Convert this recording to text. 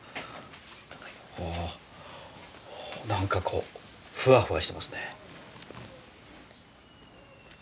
おお何かこうふわふわしてますね。